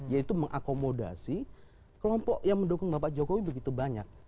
yaitu mengakomodasi kelompok yang mendukung bapak jokowi begitu banyak